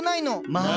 まあ！